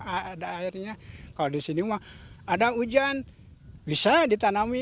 ada airnya kalau di sini mah ada hujan bisa ditanami